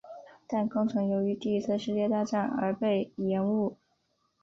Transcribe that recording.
但工程由于第一次世界大战而被延误。